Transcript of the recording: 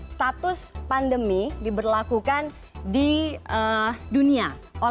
status pandemi diberlakukan di dunia